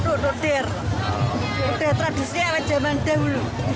udah tradisinya ada zaman dahulu